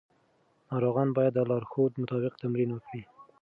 ناروغان باید د لارښود مطابق تمرین وکړي.